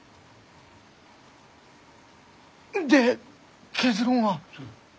で結論は？